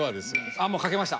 あもう書けました。